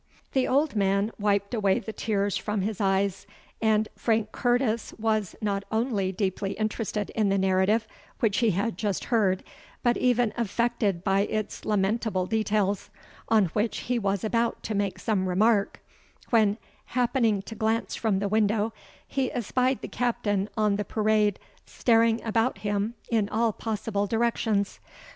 The old man wiped away the tears from his eyes: and Frank Curtis was not only deeply interested in the narrative which he had just heard, but even affected by its lamentable details, on which he was about to make some remark, when, happening to glance from the window, he espied the captain on the parade staring about him in all possible directions.